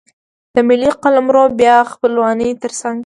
د ملي قلمرو بیا خپلونې ترڅنګ.